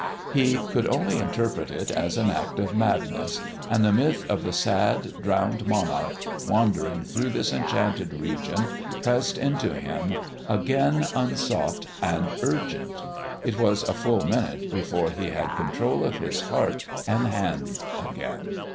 He could only interpret it as an act of madness, and the myth of the sad, drowned monarch wandering through this enchanted region, pressed into him again unsought and urgent. It was a full minute before he had control of his heart and hand again.